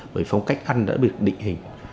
bởi phong cách ăn đã bị định hình